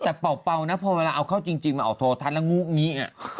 แต่เป่านะพอเวลาเอาเข้าจริงมาออกโทรทัศน์แล้วงูงิ